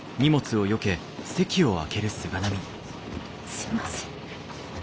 すいません。